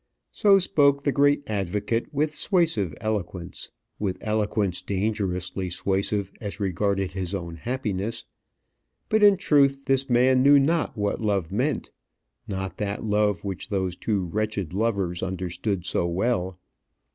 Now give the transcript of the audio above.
So spoke the great advocate with suasive eloquence with eloquence dangerously suasive as regarded his own happiness. But in truth this man knew not what love meant not that love which those two wretched lovers understood so well.